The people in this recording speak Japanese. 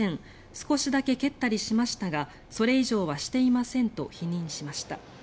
少しだけ蹴ったりしましたがそれ以上はしていませんと否認しました。